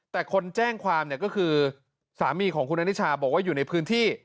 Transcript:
แต่คนแจ้งความเนี่ยก็คือสามีของคุณอนิชาบอกว่าอยู่ในพื้นที่